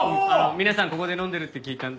皆さんここで飲んでるって聞いたんで。